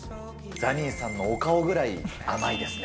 ザニーさんのお顔ぐらい甘いですね。